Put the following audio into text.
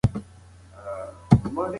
ډېر خلک هوږه د درملنې لپاره کاروي.